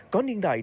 có niên đại